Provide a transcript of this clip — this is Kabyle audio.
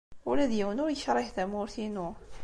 Ula d yiwen ur yekṛih tamurt-inu.